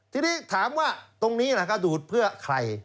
ทีนี้ถามว่าตรงนี้ก็ดูดเพื่อใคร